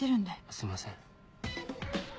すいません。